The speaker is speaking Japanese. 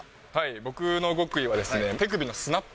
僕の極意は手首のスナップ。